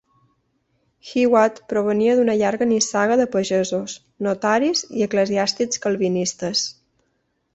Hewat provenia d'una llarga nissaga de pagesos, notaris i eclesiàstics calvinistes.